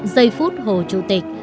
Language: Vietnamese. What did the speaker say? giây phút hồ chủ tịch